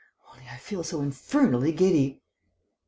Only I feel so infernally giddy...."